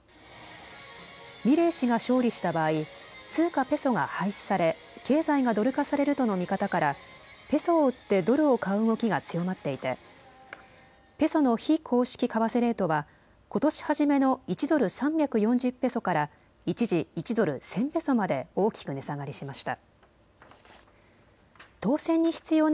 ミレイ氏が勝利した場合、通貨ペソが廃止され経済がドル化されるとの見方からペソを売ってドルを買う動きが強まっていてけさの非公式為替レートはことし初めの１ドル３４０ペソから一時１ドル１０００ペソまで大きく値下がりしました。